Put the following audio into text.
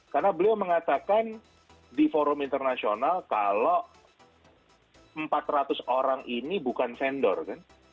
karena beliau mengatakan di forum internasional kalau empat ratus orang ini bukan vendor kan